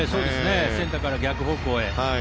センターから逆方向へ。